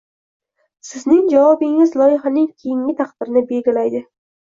Sizning javobingiz loyihaning keyingi taqdirini belgilaydi.